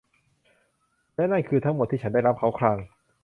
และนั่นคือทั้งหมดที่ฉันได้รับ เขาคราง